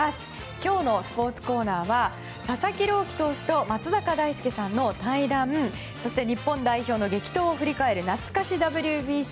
今日のスポーツコーナーは佐々木朗希投手と松坂大輔さんの対談そして日本代表の激闘を振り返るなつか史ＷＢＣ。